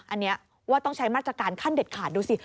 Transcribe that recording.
อันนี้ว่าต้องใช้มาตรการขั้นเด็ดขาดดูสิ